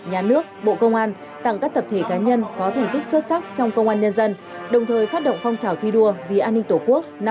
nhà nước bộ công an tặng các tập thể cá nhân có thành tích xuất sắc trong công an nhân dân đồng thời phát động phong trào thi đua vì an ninh tổ quốc năm hai nghìn hai mươi bốn